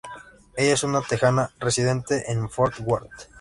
Ella es una Texana, residente en Fort Worth.